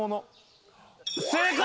正解！